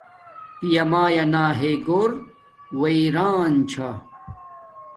پیامایا نا ہݵ گھُور ای ویران چھا